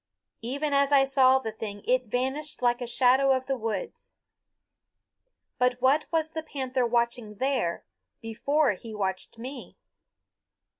Even as I saw the thing it vanished like a shadow of the woods. But what was the panther watching there before he watched me?